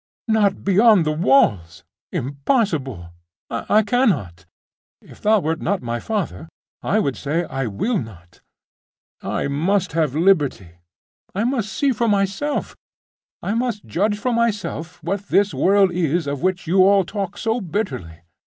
'Not beyond the walls! Impossible! I cannot! If thou wert not my father, I would say, I will not! I must have liberty! I must see for myself I must judge for myself, what this world is of which you all talk so bitterly.